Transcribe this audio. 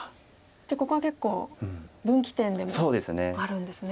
じゃあここは結構分岐点でもあるんですね。